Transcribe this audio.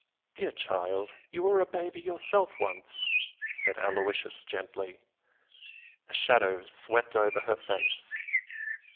"Dear child, you were a baby yourself once!" said Aloysius gently. A shadow swept over her face.